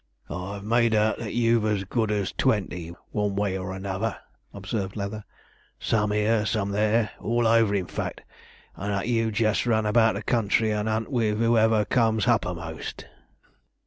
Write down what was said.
'I've made out that you've as good as twenty, one way or another,' observed Leather; 'some 'ere, some there, all over in fact, and that you jest run about the country, and 'unt with 'oever comes h'uppermost.'